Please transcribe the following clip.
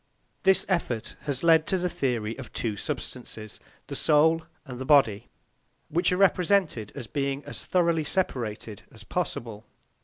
This effort has led to the theory of two substances, the soul and the body, which are represented as being as thoroughly separated as possible.